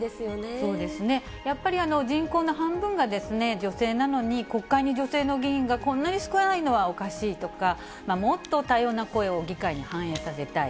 そうですね、やっぱり、人口の半分が女性なのに、国会に女性の議員がこんなに少ないのはおかしいとか、もっと多様な声を議会に反映させたい。